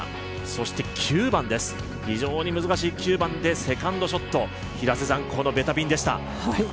そして９番です、非常に難しい９番でセカンドショット、このベタピンでした。